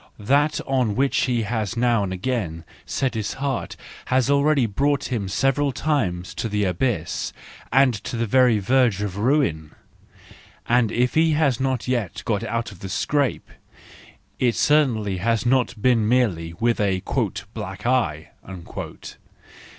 That on which he has now and again set his heart has already brought him several times to the abyss, and to the very verge of ruin ; and if he has as yet got out of the scrape, it certainly has not been merely with a "black eye."